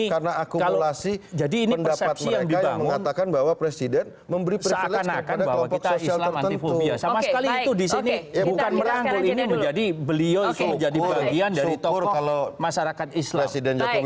karena akumulasi pendapat mereka yang mengatakan bahwa presiden memberi privilege kepada kelompok sosial tertentu